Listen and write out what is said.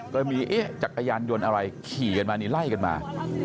ก็มีเอ๊ะจักรยานยนต์อะไรขี่กันมานี่ไล่กันมา